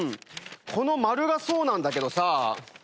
この丸がそうなんだけどさ。